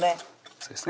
そうですね